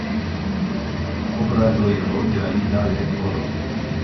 Obradoiro de la liga Leb Oro.